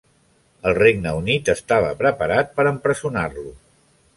El Regne Unit estava preparat per empresonar-lo.